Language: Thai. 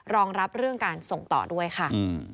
รองรับเรื่องการส่งต่อด้วยค่ะ